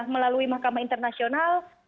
melalui mahkamah internasional